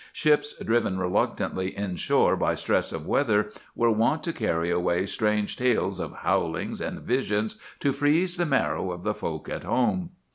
Ships driven reluctantly inshore by stress of weather were wont to carry away strange tales of howlings and visions to freeze the marrow of the folks at home.